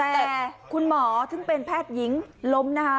แต่คุณหมอซึ่งเป็นแพทย์หญิงล้มนะคะ